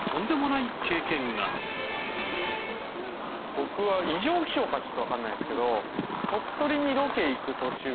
僕は異常気象かちょっとわからないですけど。